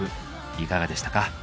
いかがでしたか？